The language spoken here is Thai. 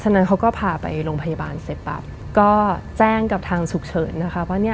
นั้นเขาก็พาไปโรงพยาบาลเสร็จปั๊บก็แจ้งกับทางฉุกเฉินนะคะว่าเนี่ย